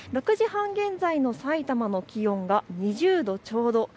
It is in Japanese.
６時半現在のさいたまの気温が２０度ちょうど。